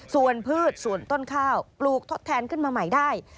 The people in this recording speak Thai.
ส่วนพืชส่วนต้นข้าวปลูกทดแทนขึ้นมาใหม่ได้